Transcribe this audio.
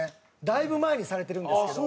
だいぶ前にされてるんですけど。